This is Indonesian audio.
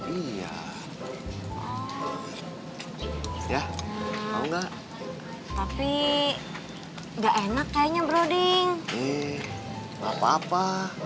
iya ya mau nggak tapi enak kayaknya broding eh apa apa